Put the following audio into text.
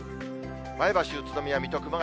前橋、宇都宮、水戸、熊谷。